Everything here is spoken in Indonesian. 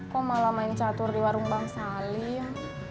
kok malah main catur di warung bang sali ya